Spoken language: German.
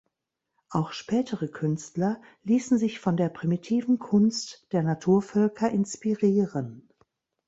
Auch spätere Künstler ließen sich von der primitiven Kunst der Naturvölker inspirieren.